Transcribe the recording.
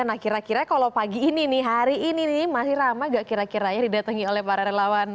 nah kira kira kalau pagi ini nih hari ini nih masih ramah gak kira kira ya didatangi oleh para relawan